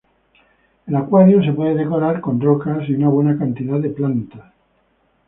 El acuario se puede decorar con rocas y una buena cantidad de plantas.